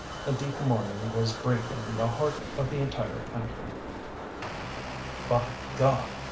A deep mourning was breaking the heart of the entire country. "By God!"